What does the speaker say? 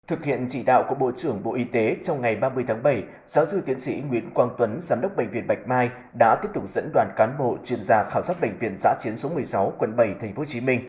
thực hiện chỉ đạo của bộ trưởng bộ y tế trong ngày ba mươi tháng bảy giáo sư tiến sĩ nguyễn quang tuấn giám đốc bệnh viện bạch mai đã tiếp tục dẫn đoàn cán bộ chuyên gia khảo sát bệnh viện giã chiến số một mươi sáu quận bảy tp hcm